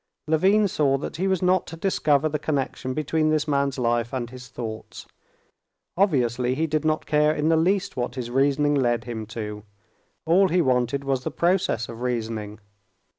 Levin saw that he was not to discover the connection between this man's life and his thoughts. Obviously he did not care in the least what his reasoning led him to; all he wanted was the process of reasoning.